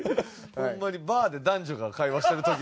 ホンマにバーで男女が会話してる時の。